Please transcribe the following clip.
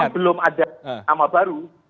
ya memang belum ada nama baru